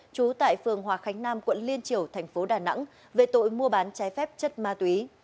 trú tại phường hòa khánh nam quận liên triều thành phố đà nẵng về tội mua bán trái phép chất ma túy